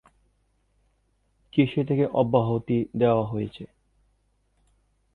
কিসে থেকে অব্যাহতি দেওয়া হয়েছে?